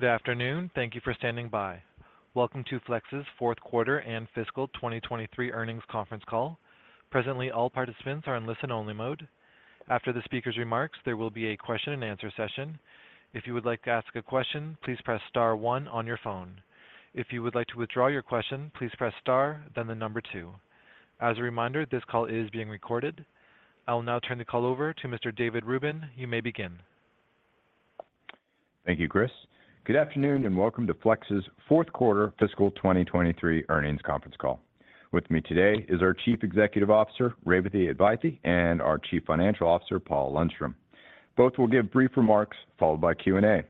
Good afternoon. Thank you for standing by. Welcome to Flex's fourth quarter and fiscal 2023 earnings conference call. Presently, all participants are in listen-only mode. After the speaker's remarks, there will be a question-and-answer session. If you would like to ask a question, please press star one on your phone. If you would like to withdraw your question, please press star, then 2. As a reminder, this call is being recorded. I will now turn the call over to Mr. David Rubin. You may begin. Thank you, Chris. Good afternoon, and welcome to Flex's fourth quarter fiscal 2023 earnings conference call. With me today is our Chief Executive Officer, Revathi Advaithi, and our Chief Financial Officer, Paul Lundstrom. Both will give brief remarks followed by Q&A.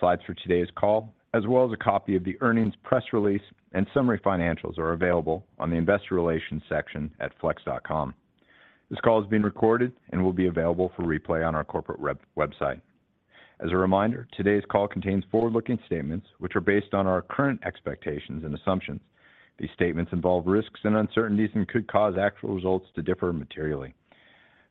Slides for today's call, as well as a copy of the earnings press release and summary financials are available on the investor relations section at flex.com. This call is being recorded and will be available for replay on our corporate website. As a reminder, today's call contains forward-looking statements which are based on our current expectations and assumptions. These statements involve risks and uncertainties and could cause actual results to differ materially.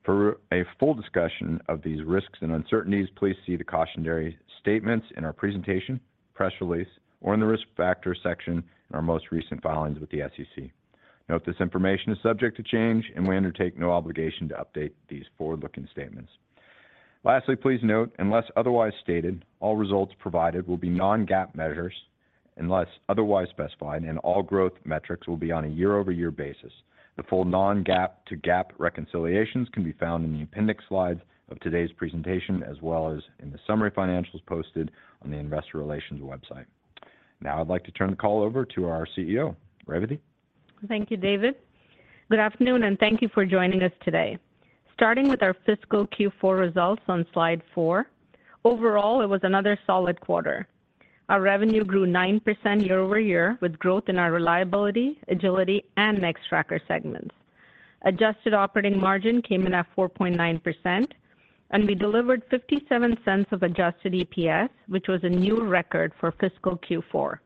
For a full discussion of these risks and uncertainties, please see the cautionary statements in our presentation, press release, or in the risk factor section in our most recent filings with the SEC. Note this information is subject to change, and we undertake no obligation to update these forward-looking statements. Lastly, please note, unless otherwise stated, all results provided will be non-GAAP measures unless otherwise specified, and all growth metrics will be on a year-over-year basis. The full non-GAAP to GAAP reconciliations can be found in the appendix slides of today's presentation, as well as in the summary financials posted on the investor relations website. Now I'd like to turn the call over to our CEO. Revathi. Thank you, David. Good afternoon, and thank you for joining us today. Starting with our fiscal Q4 results on Slide 4, overall, it was another solid quarter. Our revenue grew 9% year-over-year with growth in our Reliability, Agility, and Nextracker segments. Adjusted operating margin came in at 4.9%, we delivered $0.57 of adjusted EPS, which was a new record for fiscal Q4.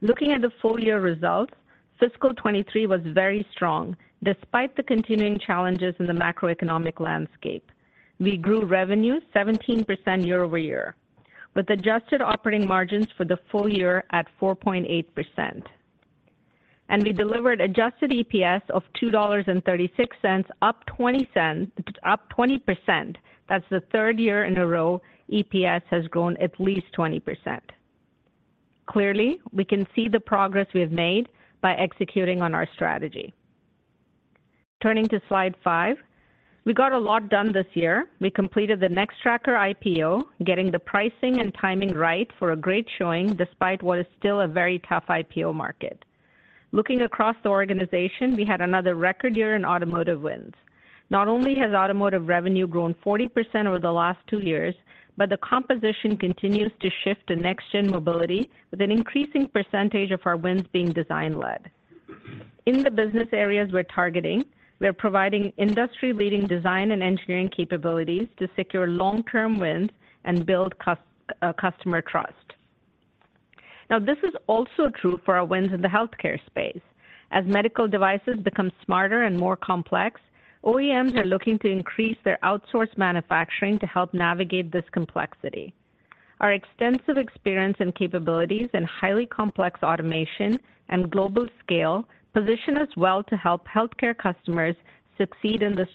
Looking at the full year results, fiscal 2023 was very strong despite the continuing challenges in the macroeconomic landscape. We grew revenue 17% year-over-year, with adjusted operating margins for the full year at 4.8%. We delivered adjusted EPS of $2.36, up 20%. That's the third year in a row EPS has grown at least 20%. Clearly, we can see the progress we have made by executing on our strategy. Turning to Slide 5. We got a lot done this year. We completed the Nextracker IPO, getting the pricing and timing right for a great showing, despite what is still a very tough IPO market. Looking across the organization, we had another record year in automotive wins. Not only has automotive revenue grown 40% over the last two years, but the composition continues to shift to next gen mobility with an increasing percentage of our wins being design-led. In the business areas we're targeting, we are providing industry-leading design and engineering capabilities to secure long-term wins and build customer trust. This is also true for our wins in the healthcare space. As medical devices become smarter and more complex, OEMs are looking to increase their outsourced manufacturing to help navigate this complexity. Our extensive experience and capabilities in highly complex automation and global scale position us well to help healthcare customers succeed in this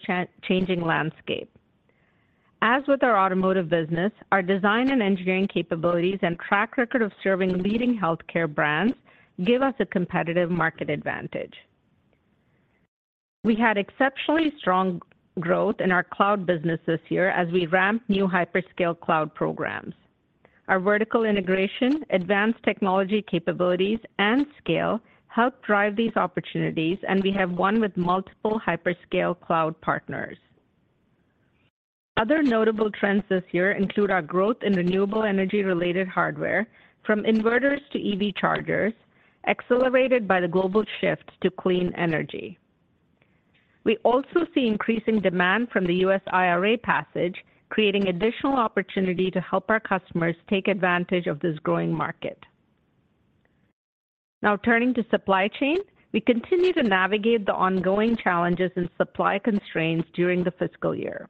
changing landscape. As with our automotive business, our design and engineering capabilities and track record of serving leading healthcare brands give us a competitive market advantage. We had exceptionally strong growth in our cloud business this year as we ramped new hyperscale cloud programs. Our vertical integration, advanced technology capabilities, and scale helped drive these opportunities. We have won with multiple hyperscale cloud partners. Other notable trends this year include our growth in renewable energy-related hardware, from inverters to EV chargers, accelerated by the global shift to clean energy. We also see increasing demand from the U.S. IRA passage, creating additional opportunity to help our customers take advantage of this growing market. Turning to supply chain. We continue to navigate the ongoing challenges and supply constraints during the fiscal year.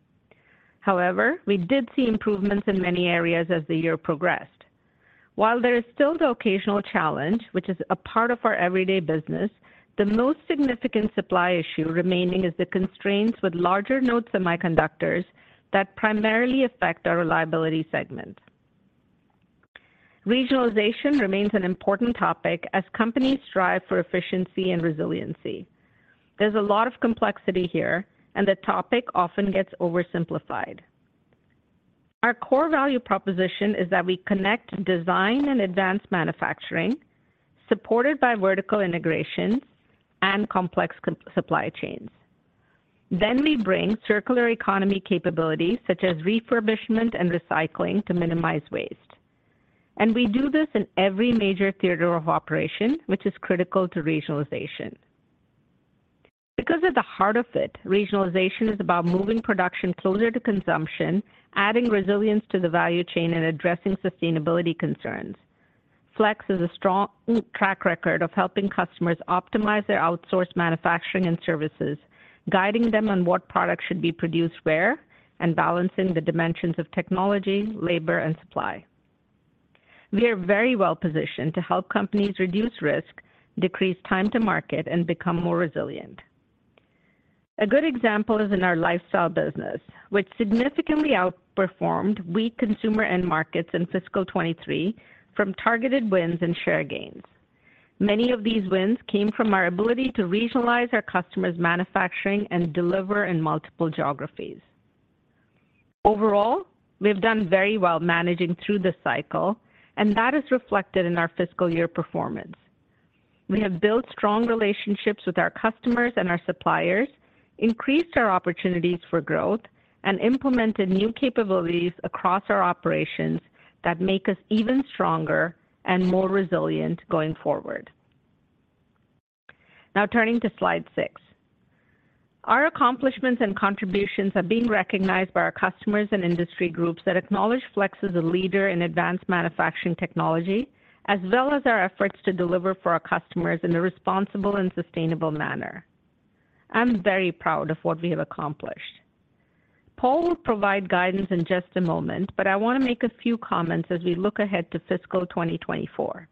We did see improvements in many areas as the year progressed. While there is still the occasional challenge, which is a part of our everyday business, the most significant supply issue remaining is the constraints with larger nodes of microcontrollers that primarily affect our Reliability segment. Regionalization remains an important topic as companies strive for efficiency and resiliency. There's a lot of complexity here, the topic often gets oversimplified. Our core value proposition is that we connect design and advanced manufacturing, supported by vertical integration and complex supply chains. We bring circular economy capabilities such as refurbishment and recycling to minimize waste. We do this in every major theater of operation, which is critical to regionalization. At the heart of it, regionalization is about moving production closer to consumption, adding resilience to the value chain, and addressing sustainability concerns. Flex has a strong track record of helping customers optimize their outsourced manufacturing and services, guiding them on what products should be produced where, and balancing the dimensions of technology, labor, and supply. We are very well-positioned to help companies reduce risk, decrease time to market, and become more resilient. A good example is in our lifestyle business, which significantly outperformed weak consumer end markets in fiscal 2023 from targeted wins and share gains. Many of these wins came from our ability to regionalize our customers' manufacturing and deliver in multiple geographies. We have done very well managing through this cycle, and that is reflected in our fiscal year performance. We have built strong relationships with our customers and our suppliers, increased our opportunities for growth, and implemented new capabilities across our operations that make us even stronger and more resilient going forward. Now turning to Slide 6. Our accomplishments and contributions are being recognized by our customers and industry groups that acknowledge Flex as a leader in advanced manufacturing technology, as well as our efforts to deliver for our customers in a responsible and sustainable manner. I'm very proud of what we have accomplished. Paul will provide guidance in just a moment. I want to make a few comments as we look ahead to fiscal 2024.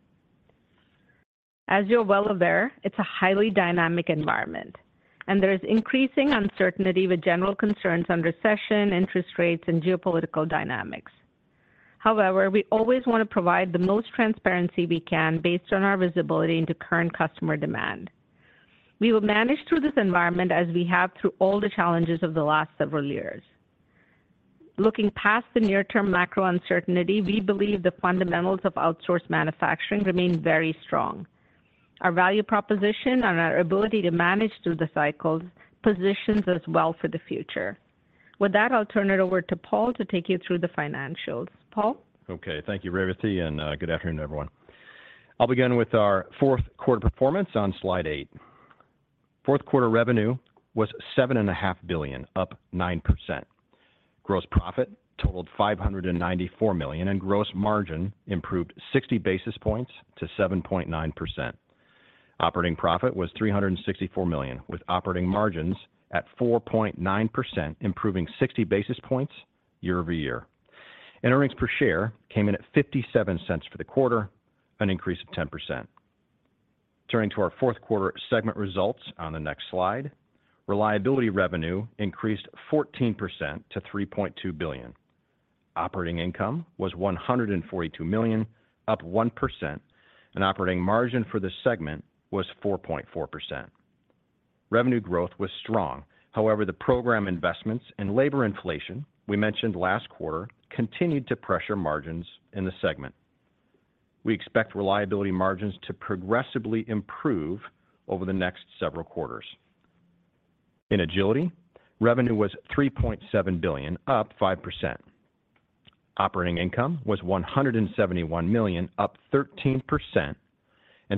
As you're well aware, it's a highly dynamic environment. There is increasing uncertainty with general concerns on recession, interest rates, and geopolitical dynamics. We always want to provide the most transparency we can based on our visibility into current customer demand. We will manage through this environment as we have through all the challenges of the last several years. Looking past the near-term macro uncertainty, we believe the fundamentals of outsourced manufacturing remain very strong. Our value proposition and our ability to manage through the cycles positions us well for the future. With that, I'll turn it over to Paul to take you through the financials. Paul? Okay. Thank you, Revathi, good afternoon, everyone. I'll begin with our fourth quarter performance on slide 8. Fourth quarter revenue was $7.5 billion, up 9%. Gross profit totaled $594 million, and gross margin improved 60 basis points to 7.9%. Operating profit was $364 million, with operating margins at 4.9%, improving 60 basis points year-over-year. Earnings per share came in at $0.57 for the quarter, an increase of 10%. Turning to our fourth quarter segment results on the next slide. Reliability revenue increased 14% to $3.2 billion. Operating income was $142 million, up 1%, and operating margin for the segment was 4.4%. Revenue growth was strong. The program investments and labor inflation we mentioned last quarter continued to pressure margins in the segment. We expect Reliability margins to progressively improve over the next several quarters. In Agility, revenue was $3.7 billion, up 5%. Operating income was $171 million, up 13%.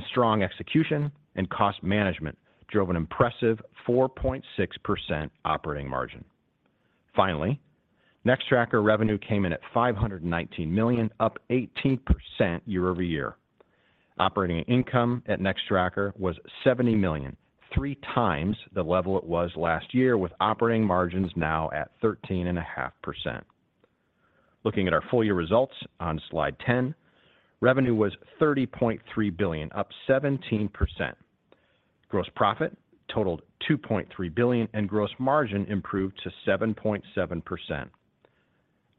Strong execution and cost management drove an impressive 4.6% operating margin. Nextracker revenue came in at $519 million, up 18% year-over-year. Operating income at Nextracker was $70 million, 3x the level it was last year, with operating margins now at 13.5%. Looking at our full-year results on Slide 10, revenue was $30.3 billion, up 17%. Gross profit totaled $2.3 billion. Gross margin improved to 7.7%.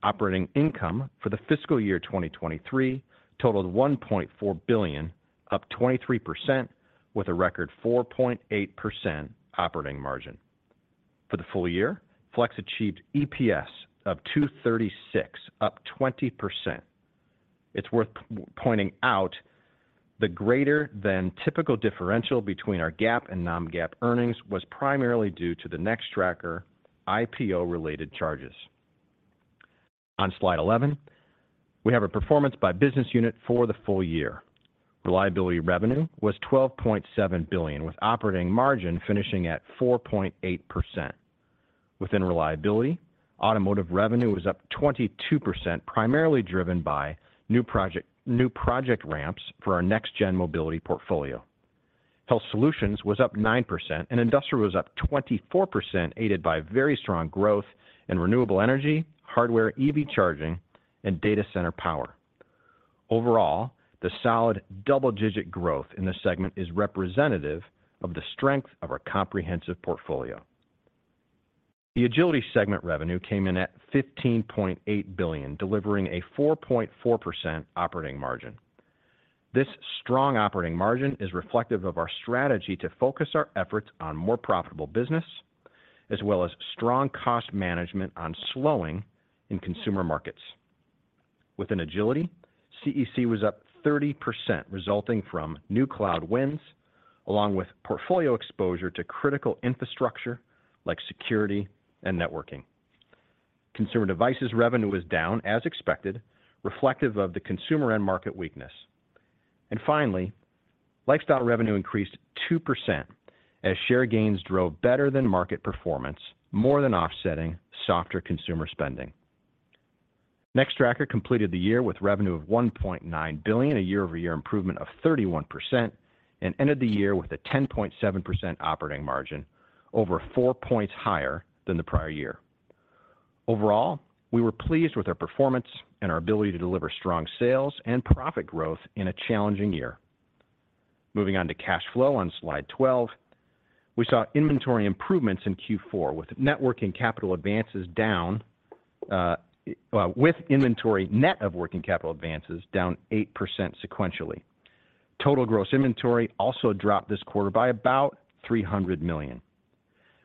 Operating income for the fiscal year 2023 totaled $1.4 billion, up 23%, with a record 4.8% operating margin. For the full year, Flex achieved EPS of $2.36, up 20%. It's worth pointing out the greater than typical differential between our GAAP and non-GAAP earnings was primarily due to the Nextracker IPO-related charges. On Slide 11, we have a performance by business unit for the full year. Reliability revenue was $12.7 billion, with operating margin finishing at 4.8%. Within Reliability, Automotive revenue was up 22%, primarily driven by new project ramps for our next gen mobility portfolio. Health Solutions was up 9%, and Industrial was up 24%, aided by very strong growth in renewable energy, hardware, EV charging, and data center power. Overall, the solid double-digit growth in this segment is representative of the strength of our comprehensive portfolio. The Agility segment revenue came in at $15.8 billion, delivering a 4.4% operating margin. This strong operating margin is reflective of our strategy to focus our efforts on more profitable business as well as strong cost management on slowing in consumer markets. Within Agility, CEC was up 30%, resulting from new cloud wins along with portfolio exposure to critical infrastructure like security and networking. Consumer Devices revenue was down as expected, reflective of the consumer end market weakness. Finally, Lifestyle revenue increased 2% as share gains drove better than market performance, more than offsetting softer consumer spending. Nextracker completed the year with revenue of $1.9 billion, a year-over-year improvement of 31% and ended the year with a 10.7% operating margin, over four points higher than the prior year. Overall, we were pleased with our performance and our ability to deliver strong sales and profit growth in a challenging year. Moving on to cash flow on Slide 12. We saw inventory improvements in Q4 with net working capital advances down, with inventory net of working capital advances down 8% sequentially. Total gross inventory also dropped this quarter by about $300 million.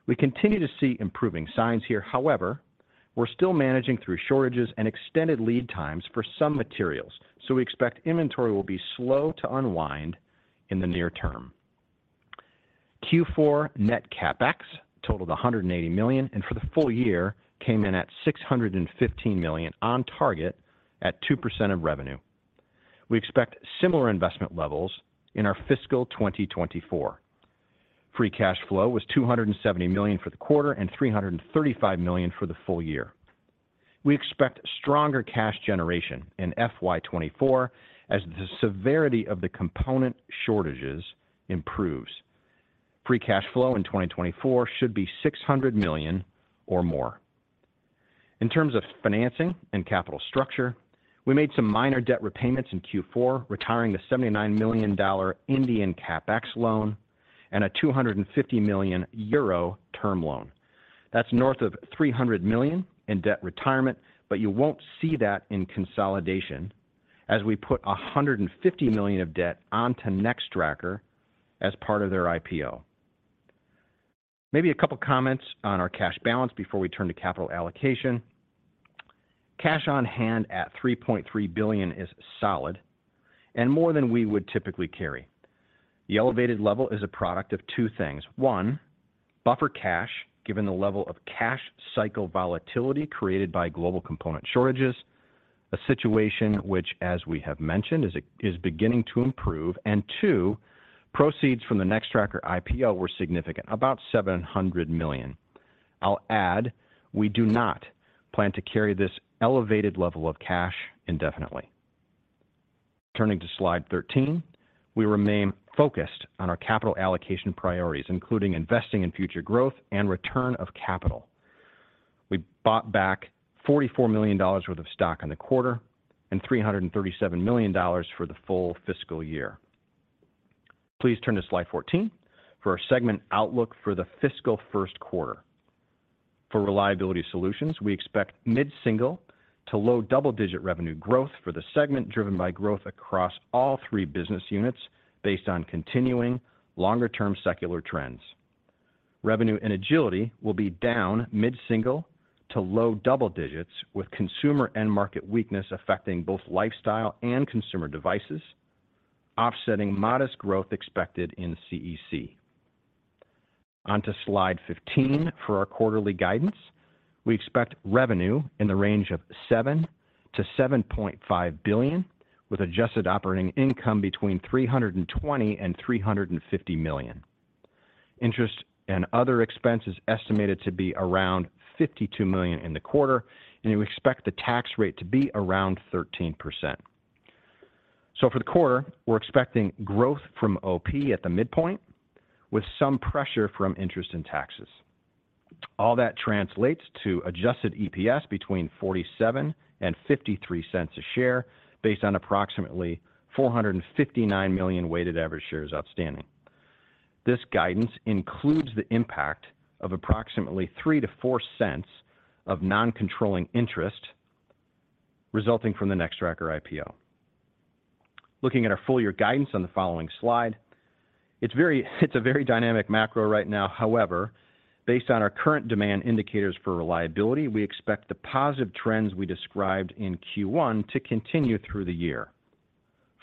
We continue to see improving signs here. However, we're still managing through shortages and extended lead times for some materials, so we expect inventory will be slow to unwind in the near term. Q4 net CapEx totaled $180 million. For the full year came in at $615 million on target at 2% of revenue. We expect similar investment levels in our fiscal 2024. Free cash flow was $270 million for the quarter and $335 million for the full year. We expect stronger cash generation in FY 2024 as the severity of the component shortages improves. Free cash flow in 2024 should be $600 million or more. In terms of financing and capital structure, we made some minor debt repayments in Q4, retiring the $79 million Indian CapEx loan and a 250 million euro term loan. That's north of $300 million in debt retirement. You won't see that in consolidation as we put $150 million of debt onto Nextracker as part of their IPO. Maybe a couple comments on our cash balance before we turn to capital allocation. Cash on hand at $3.3 billion is solid and more than we would typically carry. The elevated level is a product of two things. One, buffer cash, given the level of cash cycle volatility created by global component shortages, a situation which, as we have mentioned, is beginning to improve. Two, proceeds from the Nextracker IPO were significant, about $700 million. I'll add we do not plan to carry this elevated level of cash indefinitely. Turning to Slide 13, we remain focused on our capital allocation priorities, including investing in future growth and return of capital. We bought back $44 million worth of stock in the quarter and $337 million for the full fiscal year. Please turn to Slide 14 for our segment outlook for the fiscal first quarter. For Reliability Solutions, we expect mid-single to low double-digit revenue growth for the segment, driven by growth across all three business units based on continuing longer-term secular trends. Revenue and Agility will be down mid-single to low double digits, with consumer end market weakness affecting both lifestyle and consumer devices, offsetting modest growth expected in CEC. On to slide 15 for our quarterly guidance. We expect revenue in the range of $7 billion-$7.5 billion, with adjusted operating income between $320 million and $350 million. Interest and other expenses estimated to be around $52 million in the quarter, and we expect the tax rate to be around 13%. For the quarter, we're expecting growth from OP at the midpoint with some pressure from interest and taxes. All that translates to adjusted EPS between $0.47 and $0.53 a share based on approximately 459 million weighted average shares outstanding. This guidance includes the impact of approximately $0.03-$0.04 of non-controlling interest resulting from the Nextracker IPO. Looking at our full year guidance on the following slide. It's a very dynamic macro right now. However, based on our current demand indicators for Reliability, we expect the positive trends we described in Q1 to continue through the year.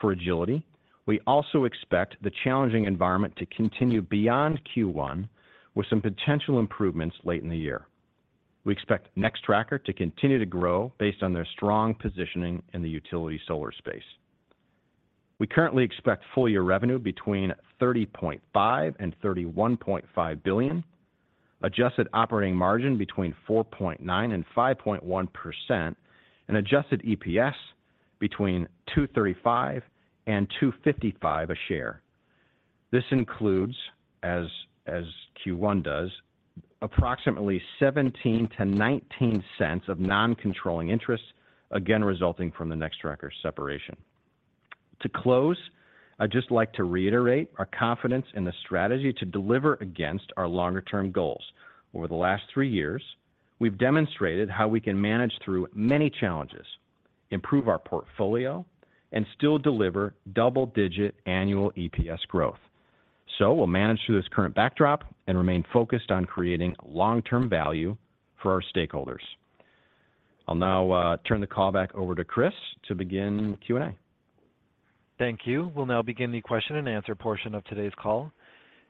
For Agility, we also expect the challenging environment to continue beyond Q1 with some potential improvements late in the year. We expect Nextracker to continue to grow based on their strong positioning in the utility solar space. We currently expect full year revenue between $30.5 billion and $31.5 billion, adjusted operating margin between 4.9% and 5.1% and adjusted EPS between $2.35 and $2.55 a share. This includes, as Q1 does, approximately $0.17-$0.19 of non-controlling interest, again resulting from the Nextracker separation. To close, I'd just like to reiterate our confidence in the strategy to deliver against our longer term goals. Over the last three years, we've demonstrated how we can manage through many challenges, improve our portfolio, and still deliver double-digit annual EPS growth. We'll manage through this current backdrop and remain focused on creating long-term value for our stakeholders. I'll now turn the call back over to Chris to begin Q&A. Thank you. We'll now begin the question and answer portion of today's call.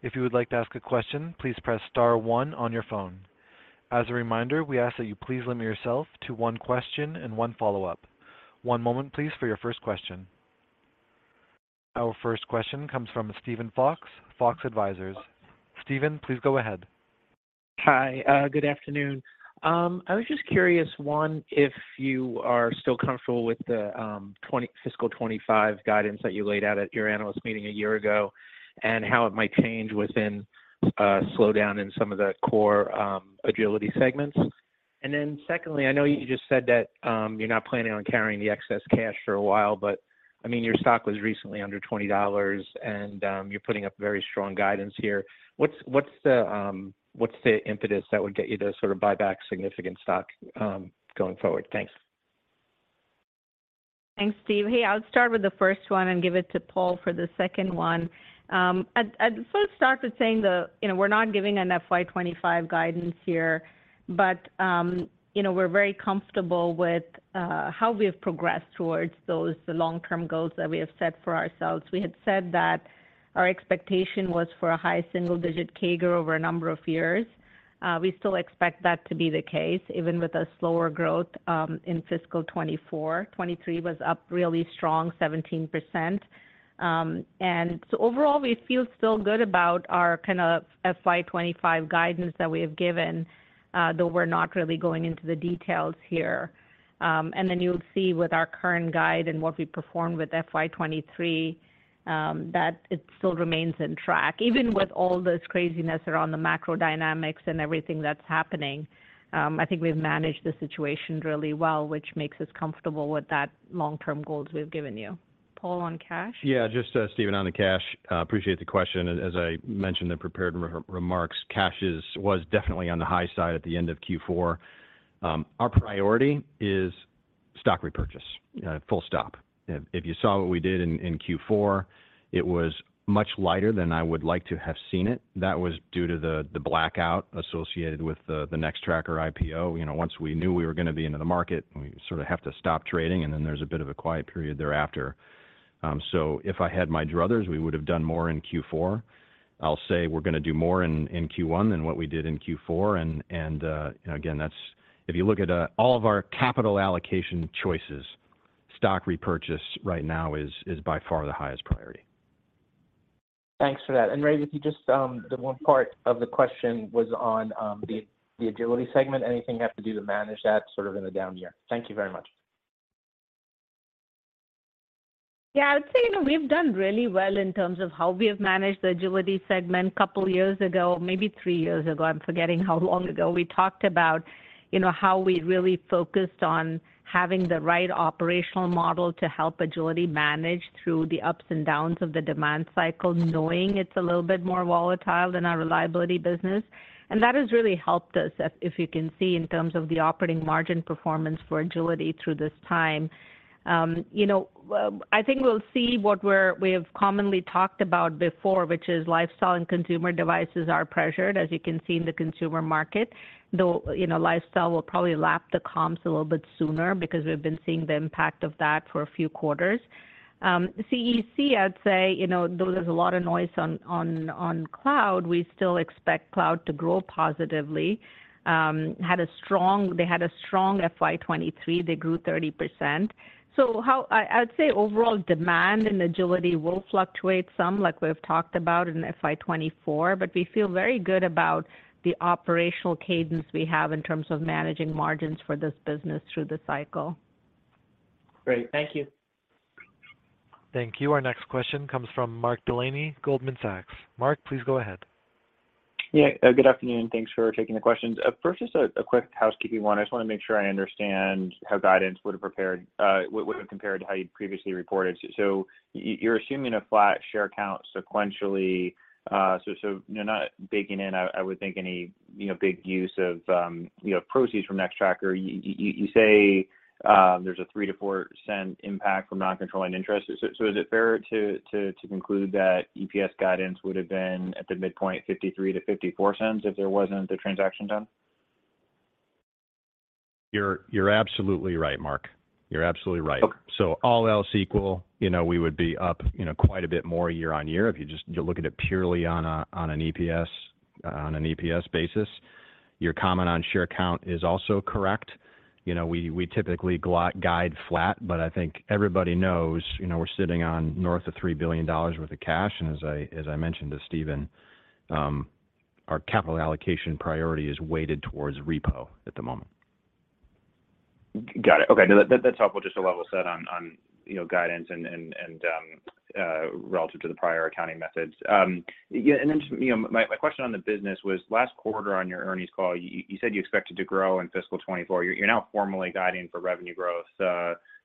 If you would like to ask a question, please press star one on your phone. As a reminder, we ask that you please limit yourself to one question and one follow-up. one moment please, for your first question. Our first question comes from Steven Fox, Fox Advisors. Steven, please go ahead. Hi, good afternoon. I was just curious, one, if you are still comfortable with the FY 2025 guidance that you laid out at your analyst meeting a year ago, and how it might change within a slowdown in some of the core Agility segments. Secondly, I know you just said that you're not planning on carrying the excess cash for a while, but, I mean, your stock was recently under $20 and you're putting up very strong guidance here. What's the impetus that would get you to sort of buy back significant stock going forward? Thanks. Thanks, Steve. Hey, I'll start with the first one and give it to Paul for the second one. I'd first start with saying that, you know, we're not giving an FY 2025 guidance here, but, you know, we're very comfortable with how we have progressed towards those long-term goals that we have set for ourselves. We had said that our expectation was for a high single-digit CAGR over a number of years. We still expect that to be the case, even with a slower growth in FY 2024. 2023 was up really strong, 17%. Overall, we feel still good about our kind of FY 2025 guidance that we have given, though we're not really going into the details here. You'll see with our current guide and what we performed with FY 2023, that it still remains on track. Even with all this craziness around the macro dynamics and everything that's happening, I think we've managed the situation really well, which makes us comfortable with that long-term goals we've given you. Paul, on cash? Just Steven, on the cash, appreciate the question. As I mentioned in prepared remarks, cash was definitely on the high side at the end of Q4. Our priority is stock repurchase, full stop. If you saw what we did in Q4, it was much lighter than I would like to have seen it. That was due to the blackout associated with the Nextracker IPO. You know, once we knew we were gonna be into the market, we sort of have to stop trading, there's a bit of a quiet period thereafter. If I had my druthers, we would've done more in Q4. I'll say we're gonna do more in Q1 than what we did in Q4. You know, again, that's...If you look at, all of our capital allocation choices, stock repurchase right now is by far the highest priority. Thanks for that. Revathi, if you just, the one part of the question was on, the Agility segment. Anything you have to do to manage that sort of in a down year? Thank you very much. Yeah. I would say, you know, we've done really well in terms of how we have managed the Agility segment. Couple years ago, maybe three years ago, I'm forgetting how long ago, we talked about, you know, how we really focused on having the right operational model to help Agility manage through the ups and downs of the demand cycle, knowing it's a little bit more volatile than our Reliability business. That has really helped us, if you can see in terms of the operating margin performance for Agility through this time. You know, I think we'll see what we have commonly talked about before, which is lifestyle and consumer devices are pressured, as you can see in the consumer market, though, you know, lifestyle will probably lap the comps a little bit sooner because we've been seeing the impact of that for a few quarters. CEC, I'd say, you know, though there's a lot of noise on, on cloud, we still expect cloud to grow positively. They had a strong FY 2023. They grew 30%. I'd say overall demand in Agility will fluctuate some, like we've talked about in FY 2024, but we feel very good about the operational cadence we have in terms of managing margins for this business through the cycle. Great. Thank you. Thank you. Our next question comes from Mark Delaney, Goldman Sachs. Mark, please go ahead. Good afternoon. Thanks for taking the questions. First just a quick housekeeping one. I just wanna make sure I understand how guidance would have compared to how you'd previously reported. You're assuming a flat share count sequentially, so you're not baking in, I would think any, you know, big use of, you know, proceeds from Nextracker. You say there's a $0.03-$0.04 impact from non-controlling interest. Is it fair to conclude that EPS guidance would have been at the midpoint $0.53-$0.54 if there wasn't the transaction done? You're absolutely right, Mark. You're absolutely right. Okay. All else equal, you know, we would be up, quite a bit more year on year if you're looking at purely on an EPS basis. Your comment on share count is also correct. You know, we typically guide flat, but I think everybody knows, you know, we're sitting on north of $3 billion worth of cash, and as I mentioned to Steven, our capital allocation priority is weighted towards repo at the moment. Got it. Okay. No, that's helpful just to level set on, you know, guidance and, and, relative to the prior accounting methods. Yeah, and then, you know, my question on the business was last quarter on your earnings call, you said you expected to grow in FY 2024. You're, you're now formally guiding for revenue growth,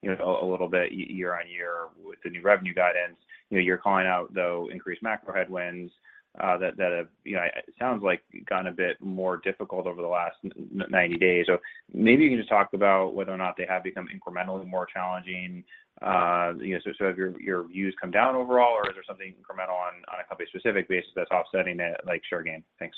you know, a little bit year-on-year with the new revenue guidance. You know, you're calling out, though, increased macro headwinds, that have, you know, it sounds like gotten a bit more difficult over the last 90-days. Maybe you can just talk about whether or not they have become incrementally more challenging. You know, have your views come down overall, or is there something incremental on a company-specific basis that's offsetting it, like share gain? Thanks.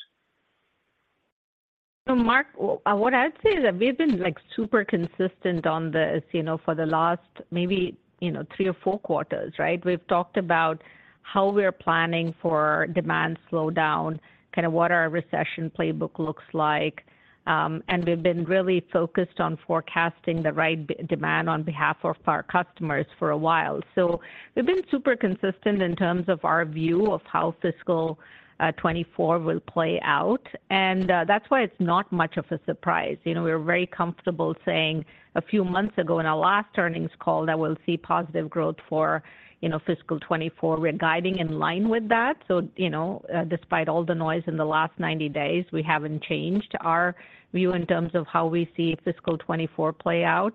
Mark, what I would say is that we've been, like, super consistent on this, you know, for the last maybe, you know, three or four quarters, right? We've talked about how we're planning for demand slowdown, kinda what our recession playbook looks like, and we've been really focused on forecasting the right demand on behalf of our customers for a while. We've been super consistent in terms of our view of how fiscal 2024 will play out, and that's why it's not much of a surprise. You know, we're very comfortable saying a few months ago in our last earnings call that we'll see positive growth for, you know, fiscal 2024. We're guiding in line with that, you know, despite all the noise in the last 90-days, we haven't changed our view in terms of how we see fiscal 2024 play out.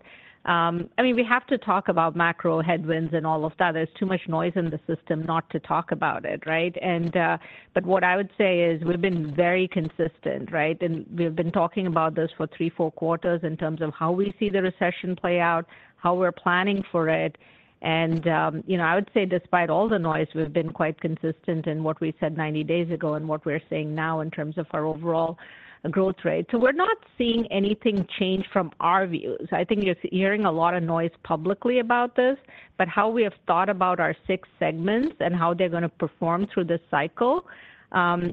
I mean, we have to talk about macro headwinds and all of that. There's too much noise in the system not to talk about it, right? What I would say is we've been very consistent, right? We've been talking about this for three, four quarters in terms of how we see the recession play out, how we're planning for it, and, you know, I would say despite all the noise, we've been quite consistent in what we said 90-days ago and what we're saying now in terms of our overall growth rate. We're not seeing anything change from our views. I think you're hearing a lot of noise publicly about this, but how we have thought about our six segments and how they're gonna perform through this cycle,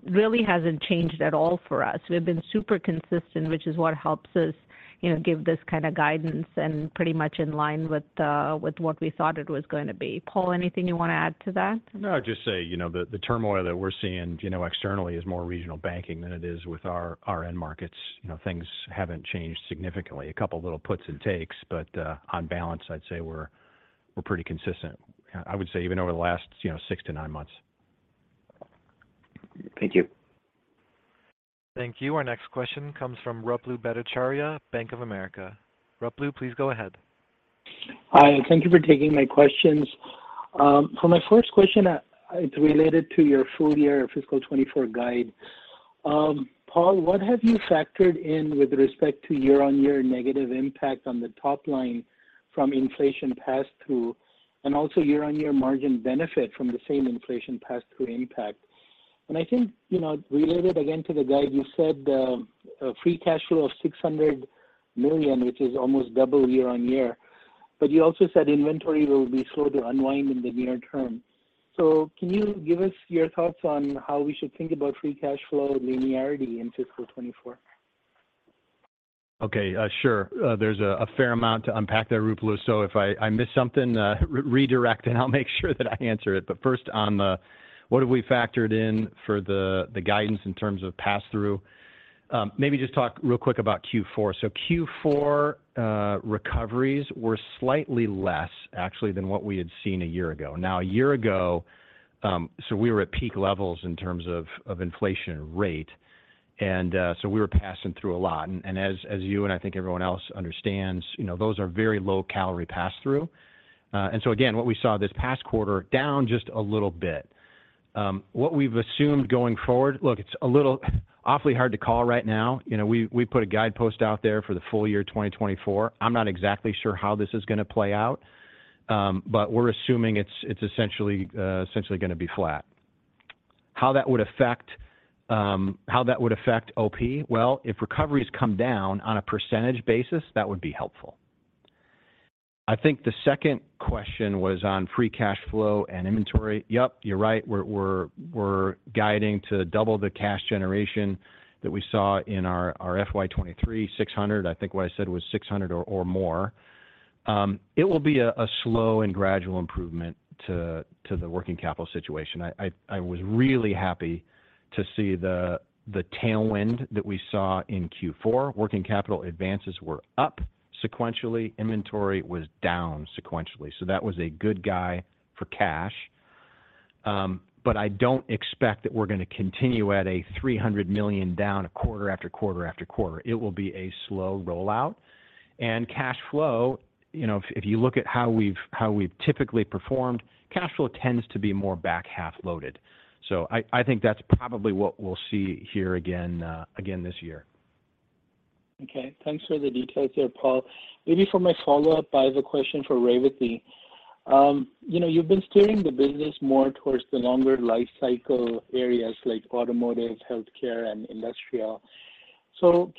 really hasn't changed at all for us. We've been super consistent, which is what helps us, you know, give this kinda guidance and pretty much in line with what we thought it was going to be. Paul, anything you wanna add to that? No, I'd just say, you know, the turmoil that we're seeing, you know, externally is more regional banking than it is with our end markets. You know, things haven't changed significantly. A couple little puts and takes, but on balance, I'd say we're pretty consistent. I would say even over the last, you know, six to nine months. Thank you. Thank you. Our next question comes from Ruplu Bhattacharya, Bank of America. Ruplu, please go ahead. Hi, thank you for taking my questions. My first question is related to your full year fiscal 2024 guide. Paul, what have you factored in with respect to year-on-year negative impact on the top line from inflation pass-through, and also year-on-year margin benefit from the same inflation pass-through impact? You know, related again to the guide, you said a free cash flow of $600 million, which is almost double year-on-year. You also said inventory will be slow to unwind in the near term. Can you give us your thoughts on how we should think about free cash flow linearity in fiscal 2024? Okay, sure. There's a fair amount to unpack there, Ruplu, so if I miss something, re-redirect and I'll make sure that I answer it. What have we factored in for the guidance in terms of pass-through, maybe just talk real quick about Q4. Q4 recoveries were slightly less actually than what we had seen a year ago. A year ago, we were at peak levels in terms of inflation rate, and we were passing through a lot. As you and I think everyone else understands, you know, those are very low-calorie pass-through. What we saw this past quarter, down just a little bit. What we've assumed going forward. It's a little awfully hard to call right now. You know, we put a guidepost out there for the full year 2024. I'm not exactly sure how this is gonna play out, but we're assuming it's essentially gonna be flat. How that would affect OP? Well, if recoveries come down on a percent basis, that would be helpful. I think the second question was on free cash flow and inventory. Yep, you're right. We're guiding to double the cash generation that we saw in our FY 2023 $600 million. I think what I said was $600 million or more. It will be a slow and gradual improvement to the working capital situation. I was really happy to see the tailwind that we saw in Q4. Working capital advances were up sequentially. Inventory was down sequentially. That was a good guy for cash. I don't expect that we're gonna continue at a $300 million down quarter after quarter after quarter. It will be a slow rollout. Cash flow, you know, if you look at how we've typically performed, cash flow tends to be more back-half loaded. I think that's probably what we'll see here again this year. Okay. Thanks for the details there, Paul. Maybe for my follow-up, I have a question for Revathi. You know, you've been steering the business more towards the longer life cycle areas like automotive, healthcare, and industrial.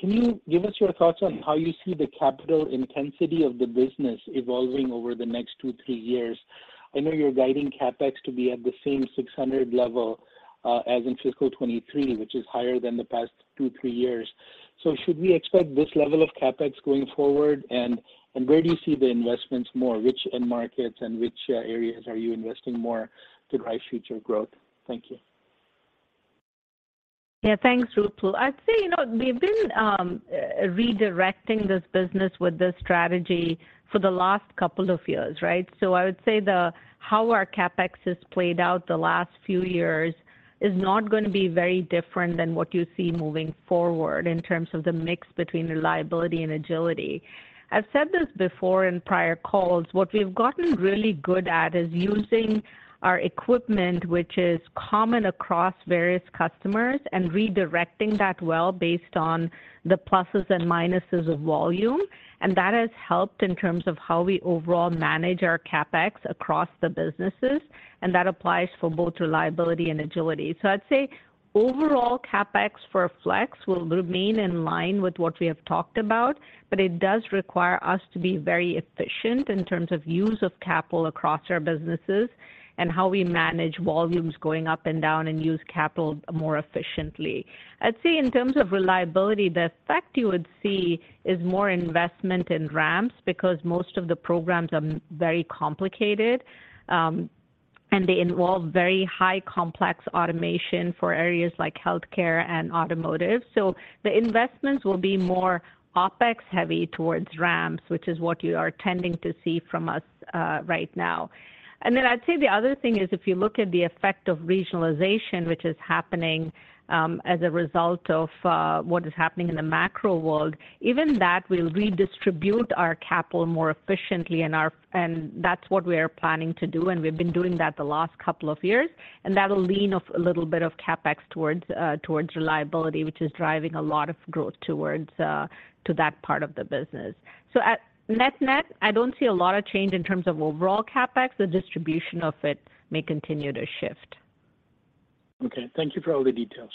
Can you give us your thoughts on how you see the capital intensity of the business evolving over the next two, three years? I know you're guiding CapEx to be at the same $600 level as in fiscal 2023, which is higher than the past two, three years. Should we expect this level of CapEx going forward? Where do you see the investments more? Which end markets and which areas are you investing more to drive future growth? Thank you. Yeah. Thanks, Ruplu. I'd say, you know, we've been redirecting this business with this strategy for the last two years, right? I would say how our CapEx has played out the last few years is not gonna be very different than what you see moving forward in terms of the mix between Reliability and Agility. I've said this before in prior calls, what we've gotten really good at is using our equipment, which is common across various customers, and redirecting that well based on the pluses and minuses of volume, and that has helped in terms of how we overall manage our CapEx across the businesses, and that applies for both Reliability and Agility. I'd say overall CapEx for Flex will remain in line with what we have talked about, but it does require us to be very efficient in terms of use of capital across our businesses and how we manage volumes going up and down and use capital more efficiently. I'd say in terms of Reliability, the effect you would see is more investment in ramps because most of the programs are very complicated. They involve very high complex automation for areas like healthcare and automotive. The investments will be more OpEx heavy towards ramps, which is what you are tending to see from us right now. I'd say the other thing is if you look at the effect of regionalization, which is happening, as a result of what is happening in the macro world, even that will redistribute our capital more efficiently and that's what we are planning to do, and we've been doing that the last couple of years. That'll lean of a little bit of CapEx towards Reliability, which is driving a lot of growth towards that part of the business. At net net, I don't see a lot of change in terms of overall CapEx. The distribution of it may continue to shift. Okay. Thank you for all the details.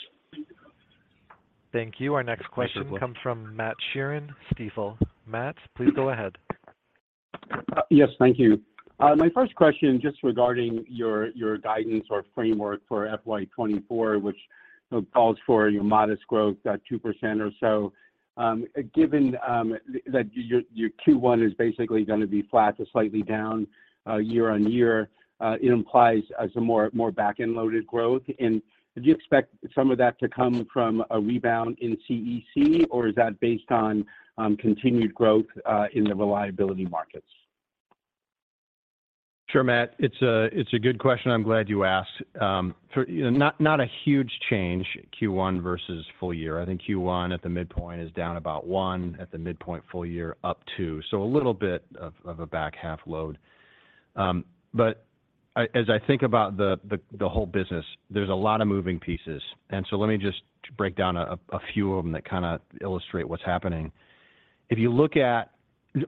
Thank you. Our next question comes from Matt Sheerin, Stifel. Matt, please go ahead. Yes. Thank you. My first question, just regarding your guidance or framework for FY 2024, which calls for your modest growth at 2% or so, given that your Q1 is basically gonna be flat to slightly down year-over-year, it implies as a more back-end loaded growth. Do you expect some of that to come from a rebound in CEC, or is that based on continued growth in the Reliability markets? Sure, Matt. It's a good question. I'm glad you asked. For, you know, not a huge change Q1 versus full year. I think Q1 at the midpoint is down about 1%, at the midpoint full year up 2%. A little bit of a back half load. As I think about the whole business, there's a lot of moving pieces, and so let me just break down a few of them that kinda illustrate what's happening. If you look at,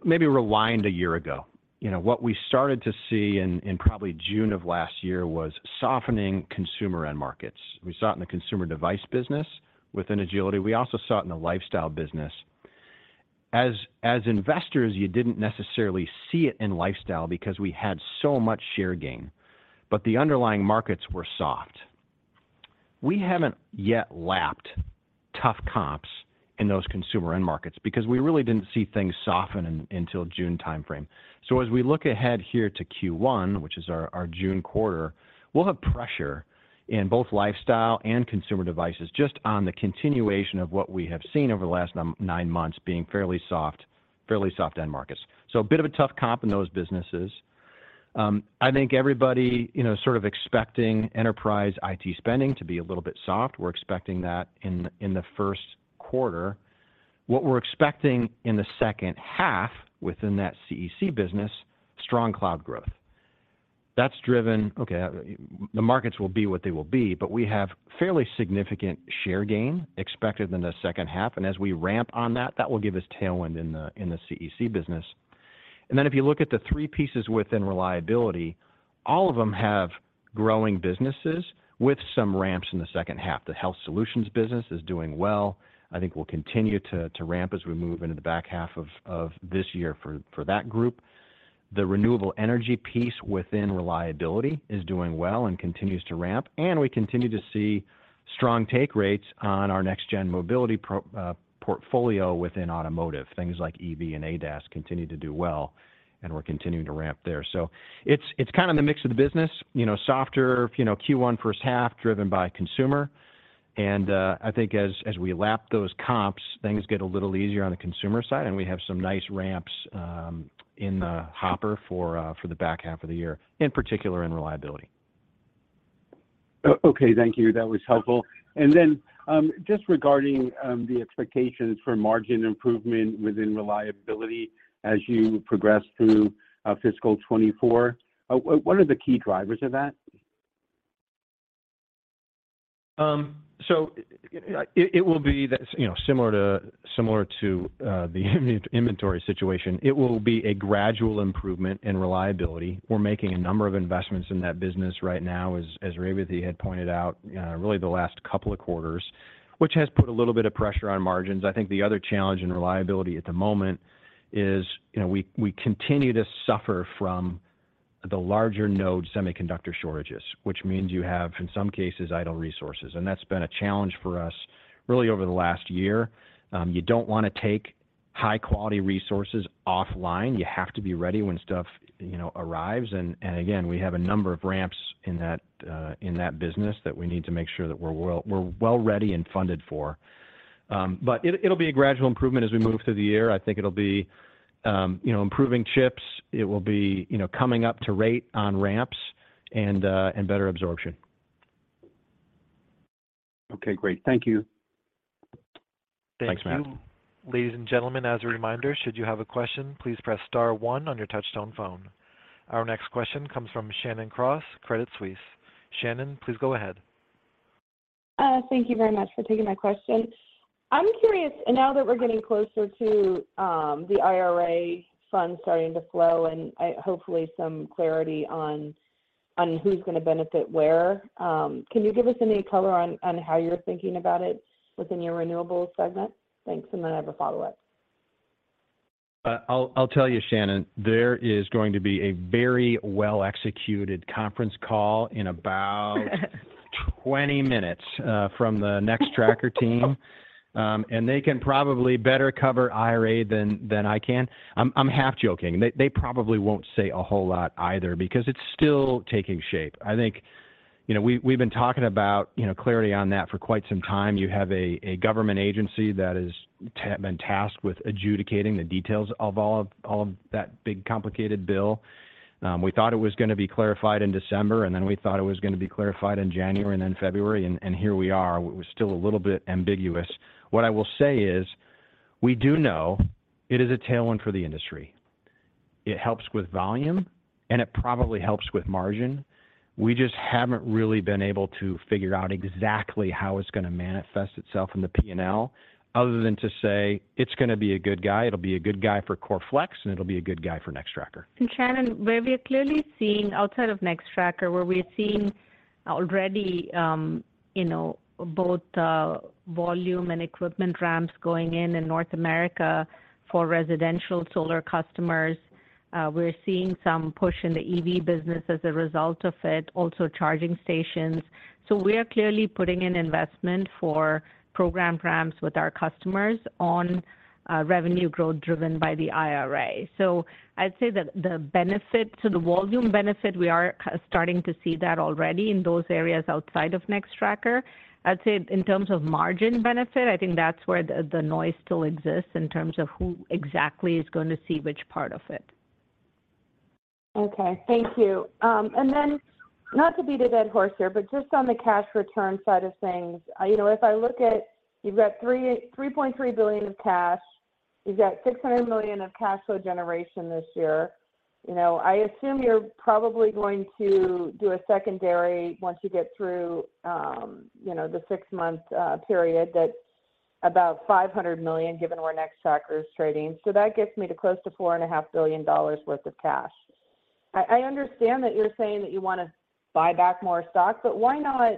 maybe rewind a year ago, you know, what we started to see in probably June of last year was softening consumer end markets. We saw it in the consumer device business within Agility. We also saw it in the lifestyle business. As investors, you didn't necessarily see it in lifestyle because we had so much share gain, the underlying markets were soft. We haven't yet lapped tough comps in those consumer end markets because we really didn't see things soften until June timeframe. As we look ahead here to Q1, which is our June quarter, we'll have pressure in both lifestyle and consumer devices just on the continuation of what we have seen over the last nine months being fairly soft end markets. I think everybody, you know, sort of expecting enterprise IT spending to be a little bit soft. We're expecting that in the first quarter. What we're expecting in the second half within that CEC business, strong cloud growth. That's driven. The markets will be what they will be, but we have fairly significant share gain expected in the second half, and as we ramp on that will give us tailwind in the CEC business. If you look at the three pieces within Reliability, all of them have growing businesses with some ramps in the second half. The Health Solutions business is doing well. I think we'll continue to ramp as we move into the back half of this year for that group. The renewable energy piece within Reliability is doing well and continues to ramp, and we continue to see strong take rates on our next gen mobility portfolio within automotive. Things like EV and ADAS continue to do well, and we're continuing to ramp there. It's kind of the mix of the business, you know, softer, you know, Q1 first half driven by consumer. I think as we lap those comps, things get a little easier on the consumer side, and we have some nice ramps in the hopper for the back half of the year, in particular in Reliability. Okay. Thank you. That was helpful. Just regarding the expectations for margin improvement within Reliability as you progress through fiscal 2024, what are the key drivers of that? It will be that, you know, similar to the inventory situation, it will be a gradual improvement in Reliability. We're making a number of investments in that business right now, as Revathi had pointed out, really the last couple of quarters, which has put a little bit of pressure on margins. I think the other challenge in Reliability at the moment is, you know, we continue to suffer from the larger node semiconductor shortages, which means you have, in some cases, idle resources, and that's been a challenge for us really over the last year. You don't wanna take high quality resources offline. You have to be ready when stuff, you know, arrives and again, we have a number of ramps in that business that we need to make sure that we're well ready and funded for. It'll be a gradual improvement as we move through the year. I think it'll be, you know, improving chips. It will be, you know, coming up to rate on ramps and better absorption. Okay, great. Thank you. Thanks, Matt. Thank you. Ladies and gentlemen, as a reminder, should you have a question, please press star one on your touchtone phone. Our next question comes from Shannon Cross, Credit Suisse. Shannon, please go ahead. Thank you very much for taking my question. I'm curious. Now that we're getting closer to the IRA funds starting to flow and hopefully some clarity on who's gonna benefit where, can you give us any color on how you're thinking about it within your renewables segment? Thanks. Then I have a follow-up. I'll tell you, Shannon, there is going to be a very well executed conference call in about 20-minutes from the Nextracker team. They can probably better cover IRA than I can. I'm half joking. They probably won't say a whole lot either because it's still taking shape. I think, you know, we've been talking about, you know, clarity on that for quite some time. You have a government agency that has been tasked with adjudicating the details of all of that big complicated bill. We thought it was gonna be clarified in December, and then we thought it was gonna be clarified in January and then February, and here we are. We're still a little bit ambiguous. What I will say is we do know it is a tailwind for the industry. It helps with volume, and it probably helps with margin. We just haven't really been able to figure out exactly how it's gonna manifest itself in the P&L other than to say it's gonna be a good guy. It'll be a good guy for Core Flex, and it'll be a good guy for Nextracker. Shannon, where we are clearly seeing outside of Nextracker, where we are seeing already, you know, both volume and equipment ramps going in in North America for residential solar customers, we're seeing some push in the EV business as a result of it, also charging stations. We are clearly putting in investment for program ramps with our customers on revenue growth driven by the IRA. I'd say that the benefit to the volume benefit, we are starting to see that already in those areas outside of Nextracker. I'd say in terms of margin benefit, I think that's where the noise still exists in terms of who exactly is going to see which part of it. Okay. Thank you. Not to beat a dead horse here, but just on the cash return side of things, you know, if I look at you've got $3.3 billion of cash, you've got $600 million of cash flow generation this year. You know, I assume you're probably going to do a secondary once you get through, you know, the six month period that's about $500 million, given where Nextracker is trading. That gets me to close to $4.5 billion worth of cash. I understand that you're saying that you wanna buy back more stock, but why not...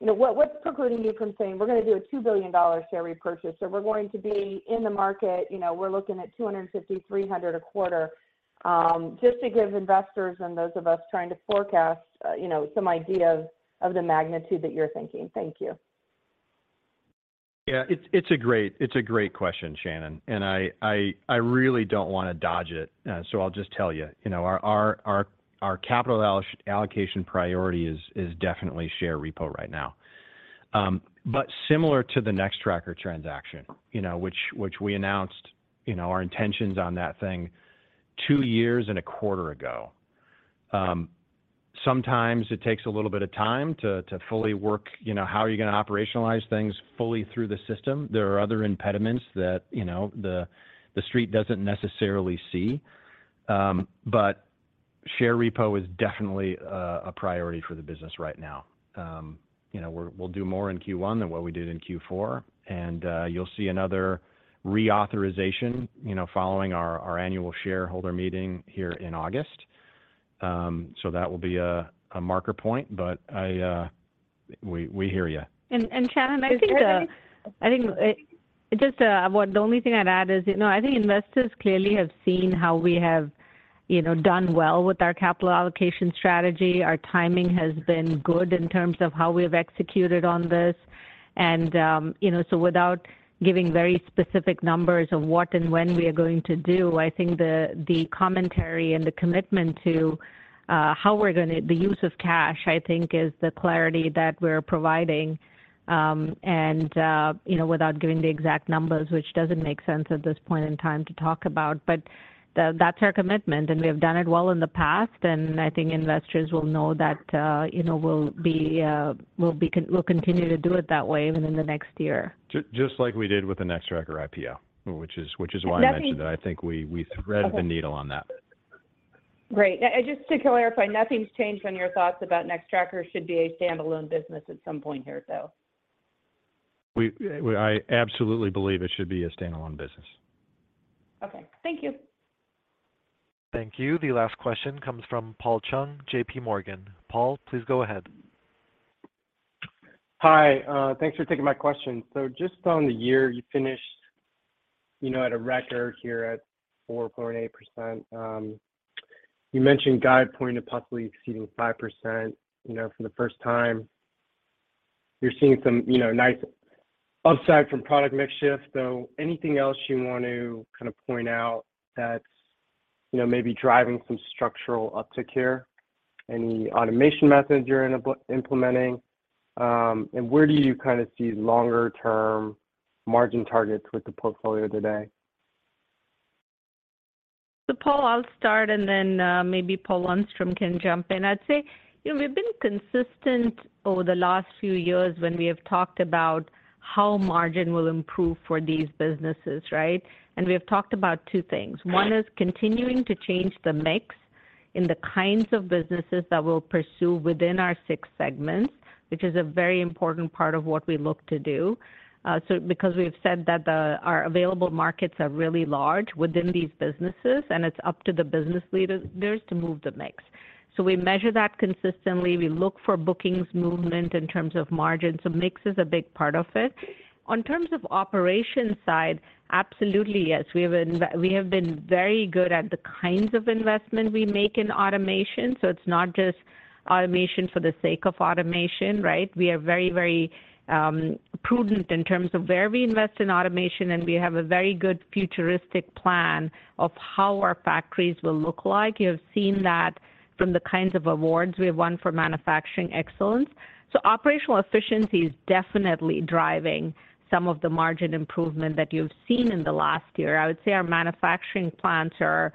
You know, what's precluding you from saying, "We're gonna do a $2 billion share repurchase, so we're going to be in the market, you know, we're looking at $250, $300 a quarter," just to give investors and those of us trying to forecast, you know, some idea of the magnitude that you're thinking. Thank you. Yeah. It's a great question, Shannon, and I really don't wanna dodge it, so I'll just tell you. You know, our capital allocation priority is definitely share repo right now. Similar to the Nextracker transaction, you know, which we announced, you know, our intentions on that thing two years and a quarter ago, sometimes it takes a little bit of time to fully work, you know, how are you gonna operationalize things fully through the system. There are other impediments that, you know, the street doesn't necessarily see. Share repo is definitely a priority for the business right now. You know, we'll do more in Q1 than what we did in Q4, and you'll see another reauthorization, you know, following our annual shareholder meeting here in August. That will be a marker point, but I. We hear you. Shannon, I think... Is there a-. I think, the only thing I'd add is, you know, I think investors clearly have seen how we have, you know, done well with our capital allocation strategy. Our timing has been good in terms of how we've executed on this. You know, without giving very specific numbers of what and when we are going to do, I think the commentary and the commitment to the use of cash, I think, is the clarity that we're providing, and, you know, without giving the exact numbers, which doesn't make sense at this point in time to talk about. That's our commitment. We have done it well in the past. I think investors will know that, you know, we'll continue to do it that way even in the next year. Just like we did with the Nextracker IPO, which is why I mentioned it. Nothing. I think we threaded the needle on that. Okay. Great. Just to clarify, nothing's changed on your thoughts about Nextracker should be a standalone business at some point here, though? I absolutely believe it should be a standalone business. Okay. Thank you. Thank you. The last question comes from Paul Chung, J.P. Morgan. Paul, please go ahead. Hi. Thanks for taking my question. Just on the year you finished, you know, at a record here at 4.8%, you mentioned guide pointing to possibly exceeding 5%, you know, for the first time. You're seeing some, you know, nice upside from product mix shift. Anything else you want to kind of point out that's, you know, maybe driving some structural uptick here? Any automation methods you're implementing? Where do you kind of see longer term margin targets with the portfolio today? Paul, I'll start, and then, maybe Paul Lundstrom can jump in. I'd say, you know, we've been consistent over the last few years when we have talked about how margin will improve for these businesses, right? We have talked about two things. Right. One is continuing to change the mix in the kinds of businesses that we'll pursue within our six segments, which is a very important part of what we look to do. Because we've said that the, our available markets are really large within these businesses, and it's up to the business leaders there to move the mix. So we measure that consistently. We look for bookings movement in terms of margin. So mix is a big part of it. On terms of operation side, absolutely yes. We have been very good at the kinds of investment we make in automation, so it's not just automation for the sake of automation, right? We are very prudent in terms of where we invest in automation, and we have a very good futuristic plan of how our factories will look like. You have seen that from the kinds of awards we have won for manufacturing excellence. Operational efficiency is definitely driving some of the margin improvement that you've seen in the last year. I would say our manufacturing plants are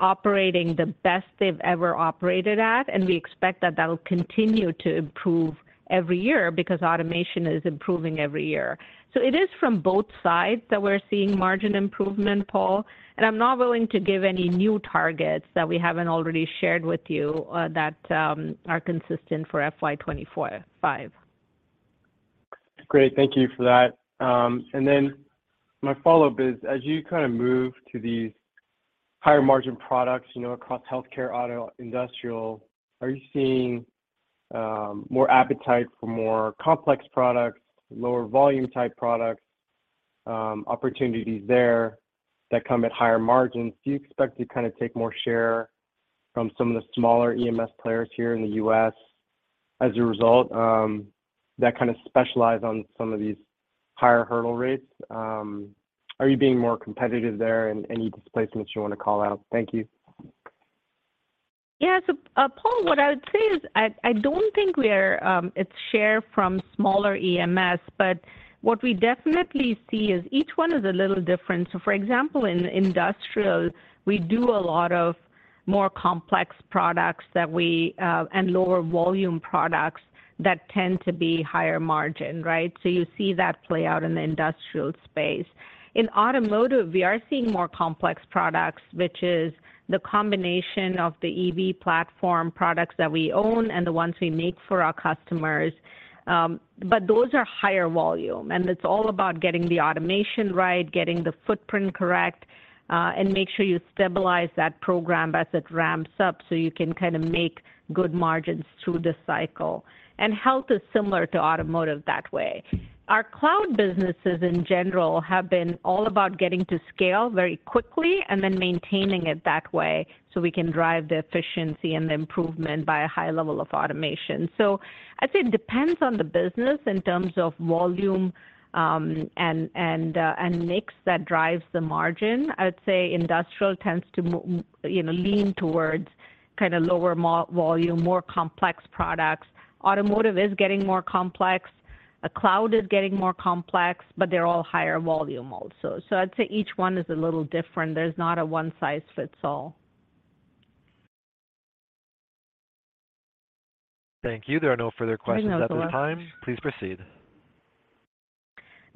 operating the best they've ever operated at, and we expect that that'll continue to improve every year because automation is improving every year. It is from both sides that we're seeing margin improvement, Paul. I'm not willing to give any new targets that we haven't already shared with you that are consistent for FY 2024, FY 2025. Great. Thank you for that. My follow-up is, as you kind of move to these higher-margin products, you know, across healthcare, auto, industrial, are you seeing more appetite for more complex products, lower volume-type products, opportunities there that come at higher margins? Do you expect to kind of take more share from some of the smaller EMS players here in the U.S. as a result, that kind of specialize on some of these higher hurdle rates? Are you being more competitive there, and any displacements you wanna call out? Thank you. Yes. Paul, what I would say is I don't think we're it's share from smaller EMS, but what we definitely see is each one is a little different. For example, in industrial, we do a lot of more complex products that we and lower volume products that tend to be higher margin, right. You see that play out in the industrial space. In automotive, we are seeing more complex products, which is the combination of the EV platform products that we own and the ones we make for our customers. Those are higher volume, and it's all about getting the automation right, getting the footprint correct, and make sure you stabilize that program as it ramps up, so you can kinda make good margins through the cycle. Health is similar to automotive that way. Our cloud businesses in general have been all about getting to scale very quickly and then maintaining it that way, so we can drive the efficiency and the improvement by a high level of automation. I'd say it depends on the business in terms of volume, and mix that drives the margin. I would say industrial tends to you know, lean towards kinda lower volume, more complex products. Automotive is getting more complex. Cloud is getting more complex, but they're all higher volume also. I'd say each one is a little different. There's not a one-size-fits-all. Thank you. There are no further questions at this time. Please proceed.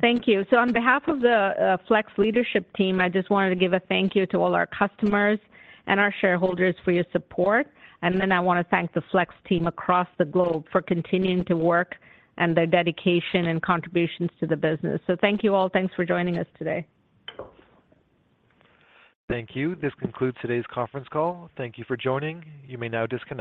Thank you. On behalf of the Flex leadership team, I just wanted to give a thank you to all our customers and our shareholders for your support. I wanna thank the Flex team across the globe for continuing to work and their dedication and contributions to the business. Thank you all. Thanks for joining us today. Thank you. This concludes today's conference call. Thank you for joining. You may now disconnect.